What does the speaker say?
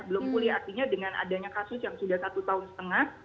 belum pulih artinya dengan adanya kasus yang sudah satu tahun setengah